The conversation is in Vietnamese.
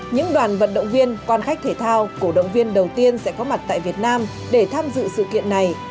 những đoàn vận động viên quan khách thể thao cổ động viên đầu tiên sẽ có mặt tại việt nam để tham dự sự kiện này